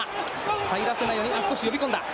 入らせないように少し呼び込んだ。